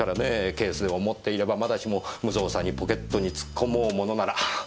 ケースでも持っていればまだしも無造作にポケットに突っ込もうものならああ